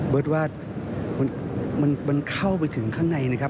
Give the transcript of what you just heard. ว่ามันเข้าไปถึงข้างในนะครับ